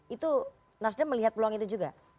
itu nasdem melihat peluang itu juga